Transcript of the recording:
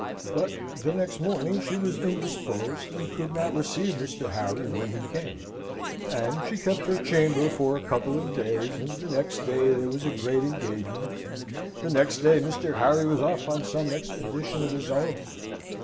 But the next morning she was indisposed, and could not receive Mr. Harry when he came: and she kept her chamber for a couple of days, and the next day there was a great engagement, and the next day Mr. Harry was off on some expedition of his own.